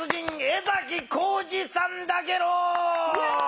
江崎浩司さんだゲロー。